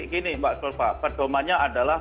gini mbak surpa pertanyaannya adalah